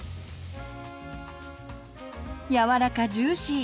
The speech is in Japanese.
やわらかジューシー。